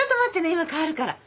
今代わるから。